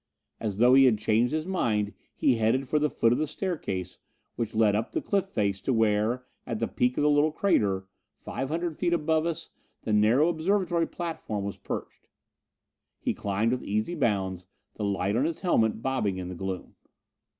As though he had changed his mind he headed for the foot of the staircase which led up the cliff face to where, at the peak of the little crater, five hundred feet above us, the narrow observatory platform was perched. He climbed with easy bounds, the light on his helmet bobbing in the gloom.